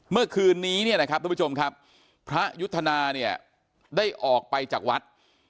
เมื่อคืนนี้เนี่ยนะครับทุกผู้ชมครับพระยุทธนาเนี่ยได้ออกไปจากวัด